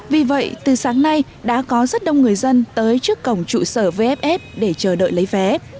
vì vậy từ sáng nay đã có rất đông người dân tới trước cổng trụ sở vff để chờ đợi lấy vé